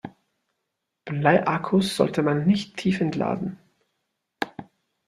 Bleiakkus sollte man nicht tiefentladen.